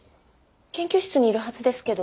研究室にいるはずですけど。